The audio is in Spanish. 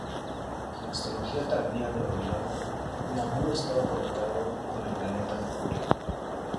En la astrología tardía de Babilonia, Nabu estaba conectado con el planeta Mercurio.